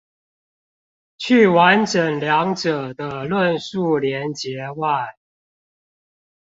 去完整二者的論述連結外